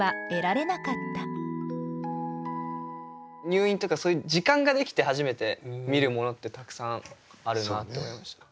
入院とかそういう時間ができて初めて見るものってたくさんあるなって思いました。